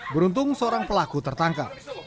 beruntung seorang pelaku tertangkap